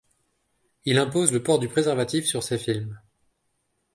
Il impose le port du préservatif sur ses films.